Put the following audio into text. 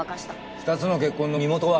２つの血痕の身元は？